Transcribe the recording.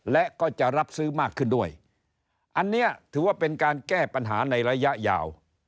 และก็จะรับซื้อมากขึ้นด้วยอันนี้ถือว่าเป็นการแก้ปัญหาในระยะยาว